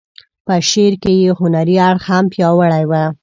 په شعر کې یې هنري اړخ هم پیاوړی و.